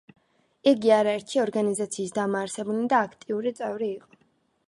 იგი არერთი ორგანიზაციის დამაარსებელი და აქტიური წევრი იყო.